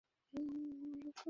তার বোন মারা গেছে।